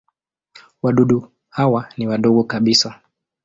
Wadudu hawa ni wadogo kabisa.